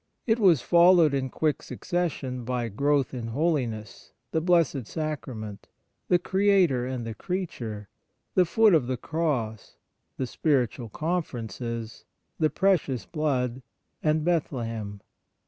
It was followed in quick succession by ' Growth in Holiness,' ' The Blessed Sacrament,' ' The Creator and the Creature,' ' The Foot of the Cross,' 'The Spiritual Conferences,' 'The Precious Blood,' and ' Bethlehem.'